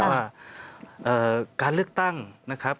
ว่าการเลือกตั้งนะครับ